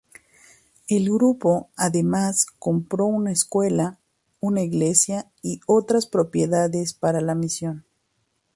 El grupo además compró una escuela, una iglesia y otras propiedades para la misión.